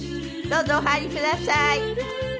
どうぞお入りください。